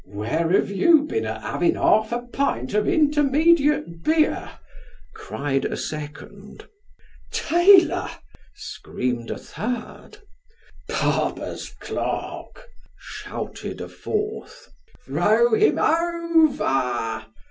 " Where have you been a having half a pint of intermediate beer ?" cried a second. " Tailor !" screamed a third. " Barber's clerk !" shouted a fourth. " Throw him o VEB